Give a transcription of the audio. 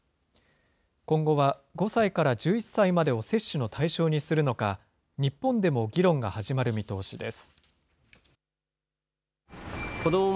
今後は５歳から１１歳までを接種の対象にするのか、日本でも議論が始まる見通しです。